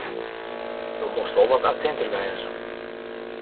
Do mochtst wol wat attinter wêze.